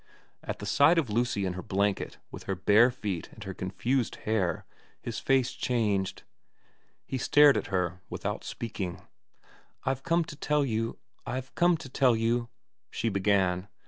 At the sight of Lucy in her blanket, with her bare feet and her confused hair, his face changed. He stared at her without speaking. ' I've come to tell you I've come to tell you ' she began.